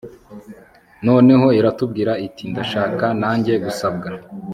noneho iratubwira iti 'ndashaka nanjye gusabwa